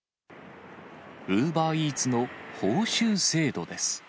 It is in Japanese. ウーバーイーツの報酬制度です。